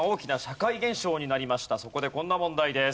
そこでこんな問題です。